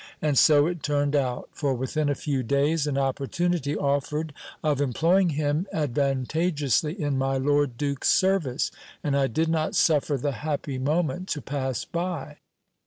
And so it turned out ; for within a few days an opportunity offered of employing him ad vantageously in my lord duke's service; and I did not suffer the happy mo ment to pass by.